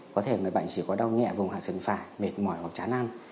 có thể người bệnh chỉ có đau nhẹ vùng hạ sừng phải mệt mỏi hoặc chán ăn